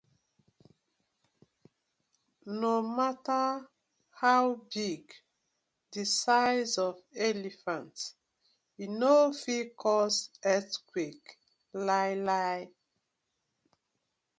No matta how big di size of elephant, e no fit cause earthquake lai la.